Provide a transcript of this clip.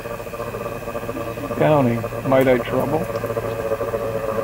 Downing, might I trouble...?